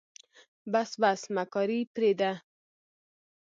بس بس مکاري پرېده.